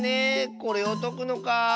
これをとくのか。